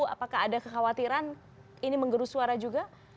apakah ada kekhawatiran ini menggerus suara juga